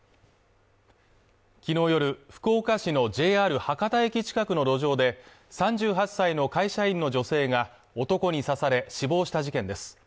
昨日夜福岡市のＪＲ博多駅近くの路上で３８歳の会社員の女性が男に刺され死亡した事件です